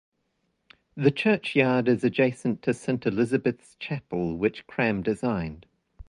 The churchyard is adjacent to Saint Elizabeth's Chapel, which Cram designed.